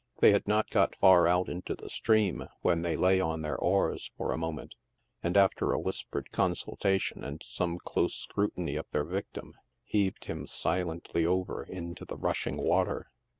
They had not got far out into the stream when they lay on their oars for a moment, and, after a whispered consultation and some close scrutiny of their victim, heaved him si lently over into the rushing water.